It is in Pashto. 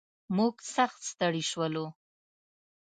موږ سخت ستړي شولو.